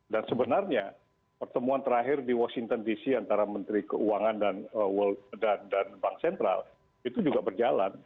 sebenarnya pertemuan terakhir di washington dc antara menteri keuangan dan bank sentral itu juga berjalan